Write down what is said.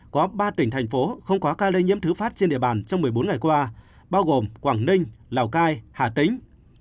có ba tỉnh thành phố không có ca lây nhiễm thứ phát trên địa bàn trong một mươi bốn ngày qua bao gồm quảng ninh lào cai hà tĩnh